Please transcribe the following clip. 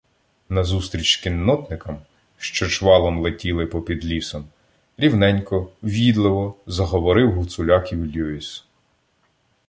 Назустріч кіннотникам, що чвалом летіли попід лісом, рівненько, в’їдливо заговорив Гуцуляків "Люїс".